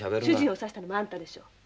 主人を刺したのもあんたでしょ？